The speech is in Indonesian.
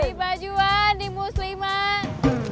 di bajuan di musliman